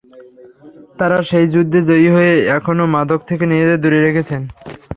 তাঁরা সেই যুদ্ধে জয়ী হয়ে এখনো মাদক থেকে নিজেকে দূরে রেখেছেন।